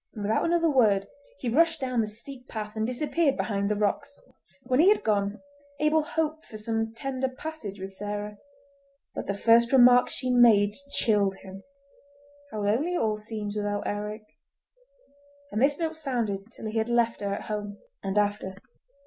and without another word he rushed down the steep path and disappeared behind the rocks. When he had gone Abel hoped for some tender passage with Sarah, but the first remark she made chilled him. "How lonely it all seems without Eric!" and this note sounded till he had left her at home—and after.